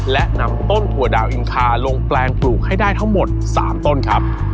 และนำต้นถั่วดาวอินคาลงแปลงปลูกให้ได้ทั้งหมด๓ต้นครับ